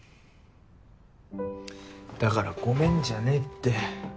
だからごめんじゃねぇって。